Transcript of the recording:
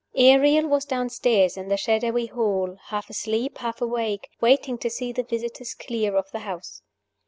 ARIEL was downstairs in the shadowy hall, half asleep, half awake, waiting to see the visitors clear of the house.